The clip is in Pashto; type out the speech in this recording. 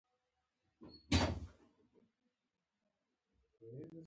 نړۍ هیڅ یو نظام ورسره سیالي نه شوه کولای.